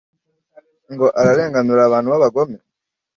ngo ararenganura abantu b’abagome?